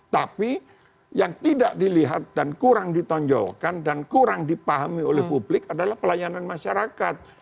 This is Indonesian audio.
tapi yang tidak dilihat dan kurang ditonjolkan dan kurang dipahami oleh publik adalah pelayanan masyarakat